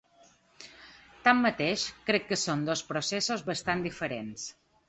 Tanmateix, crec que són dos processos bastant diferents.